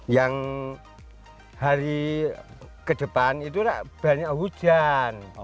yang hari ke depan itu banyak hujan